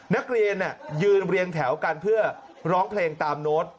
นักเรียนยืนเรียงแถวกันเพื่อร้องเพลงตามโน้ต